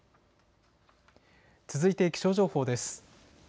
続いて気象情報です。